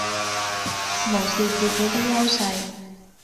無視自己的優勢